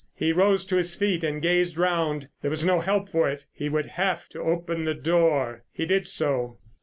He rose to his feet and gazed round. There was no help for it—he would have to open the door. He did so.